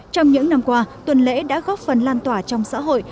trong những năm qua tuần lễ đã góp phần lan tỏa trong xã hội